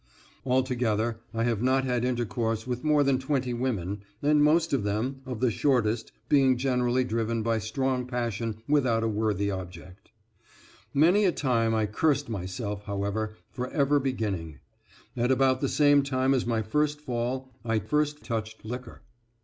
Altogether, I have not had intercourse with more than twenty women, and most of them, of the shortest, being generally driven by strong passion without a worthy object. Many a time have I cursed myself, however, for ever beginning. At about the same time as my first fall, I first touched liquor.